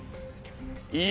いい！